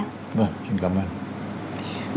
vâng xin cảm ơn